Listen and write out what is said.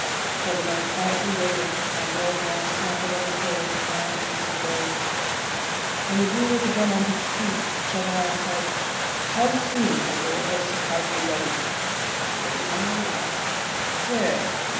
Chauvelin quietly waited while the old man scrambled on the floor, to find the piece of gold. When the Jew was again on his feet, Chauvelin said,— "How soon can your horse and cart be ready?" "They are ready now, your Honour." "Where?"